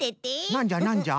なんじゃなんじゃ？